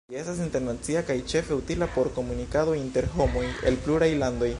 Ĝi estas internacia kaj ĉefe utila por komunikado inter homoj el pluraj landoj.